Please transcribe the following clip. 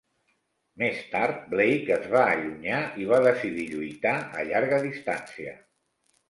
Més tard, Blake es va allunyar i va decidir lluitar a llarga distància.